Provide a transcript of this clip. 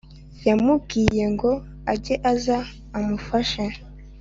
yamubwiye ngo age aza amufashe